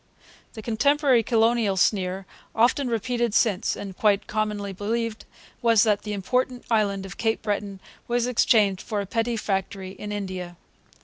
The contemporary colonial sneer, often repeated since, and quite commonly believed, was that 'the important island of Cape Breton was exchanged for a petty factory in India.'